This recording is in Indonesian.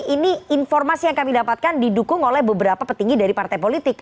ini informasi yang kami dapatkan didukung oleh beberapa petinggi dari partai politik